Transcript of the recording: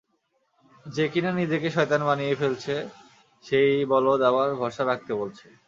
যে কিনা নিজেকে শয়তান বানিয়ে ফেলছে, সেই বলদ আবার ভরসা রাখতে বলছে।